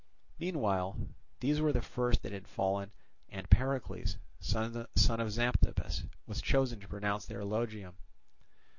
Meanwhile these were the first that had fallen, and Pericles, son of Xanthippus, was chosen to pronounce their eulogium.